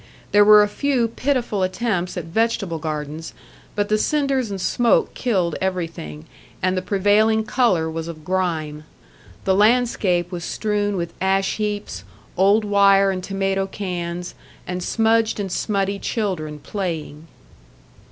There were a few pitiful attempts at vegetable gardens, but the cinders and smoke killed everything, and the prevailing colour was of grime. The landscape was strewn with ash heaps, old wire and tomato cans, and smudged and smutty children playing.